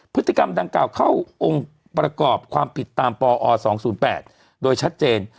พฤติกรรมดังกล่าวเข้าองค์ประกอบความผิดตามปอ๒๐๘โดยชัดเจน